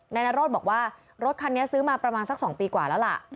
นายนโรธบอกว่ารถคันนี้ซื้อมาประมาณสัก๒ปีกว่าแล้วล่ะ